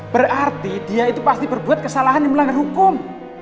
berarti dia itu pasti berbuat kesalahan yang melanggar hukum